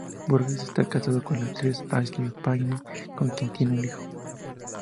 Burgess está casado con la actriz Ashlee Payne, con quien tiene un hijo.